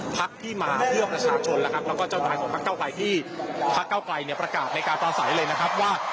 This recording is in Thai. พักที่มาเพื่อประชาชนนะครับแล้วก็เจ้านายของพักเก้าไกลที่พักเก้าไกลเนี่ยประกาศในการประสัยเลยนะครับว่า